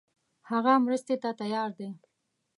هغه مرستې ته تیار دی.